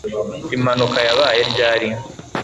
Impanuka yabaye ryari